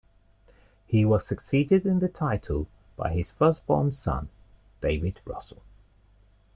He was succeeded in the title by his first-born son David Russell.